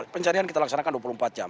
pencarian kita laksanakan dua puluh empat jam